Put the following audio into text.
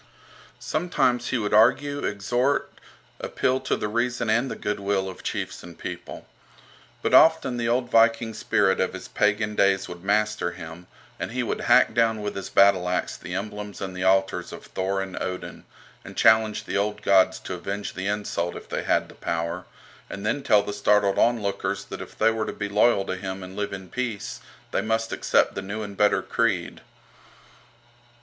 Sometimes he would argue, exhort, appeal to the reason and the goodwill of chiefs and people. But often the old Viking spirit of his pagan days would master him, and he would hack down with his battle axe the emblems and the altars of Thor and Odin, and challenge the old gods to avenge the insult if they had the power, and then tell the startled onlookers that if they were to be loyal to him and live in peace they must accept the new and better creed.